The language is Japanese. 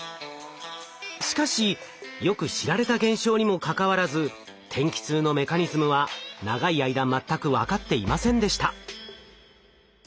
しかしよく知られた現象にもかかわらず天気痛のメカニズムは長い間全く分かっていませんでした。